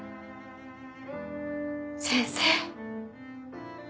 先生。